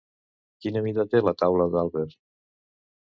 Quina mida té la taula d'àlber?